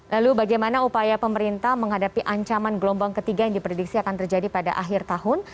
lalu bagaimana upaya pemerintah menghadapi ancaman gelombang ketiga yang diprediksi akan terjadi pada akhir tahun